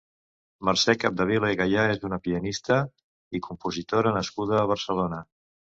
Mercè Capdevila i Gaya és una pianista i compositora nascuda a Barcelona.